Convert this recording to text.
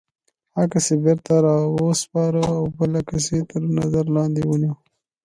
عکس یې بېرته را و سپاره او بل عکس یې تر نظر لاندې ونیوه.